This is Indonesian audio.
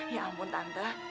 ya ampun tante